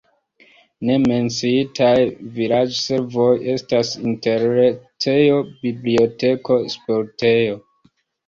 Ne menciitaj vilaĝservoj estas interretejo, biblioteko, sportejo.